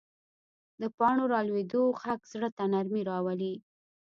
د پاڼو رالوېدو غږ زړه ته نرمي راولي